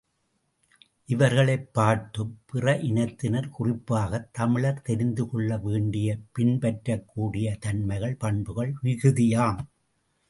இவர்களைப் பார்த்துப் பிற இனத்தினர், குறிப்பாகத் தமிழர் தெரிந்துகொள்ள வேண்டிய பின்பற்றக்கூடிய தன்மைகள் பண்புகள் மிகுதியாகும்.